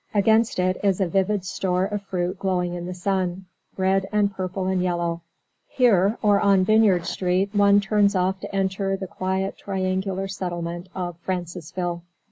Against it is a vivid store of fruit glowing in the sun, red and purple and yellow. Here, or on Vineyard Street, one turns off to enter the quaint triangular settlement of Francisville.